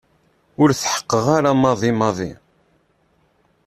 Ur tḥeqqeɣ ara maḍi maḍi.